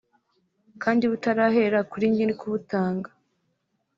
kandi butarahera kuri nyir’ ukubutanga